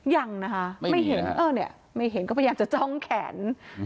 ยังนะคะไม่เห็นไม่เห็นก็พยายามจะจ้องแขน